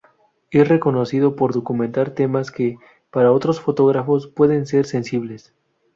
Es reconocido por documentar temas que, para otros fotógrafos, pueden ser sensibles.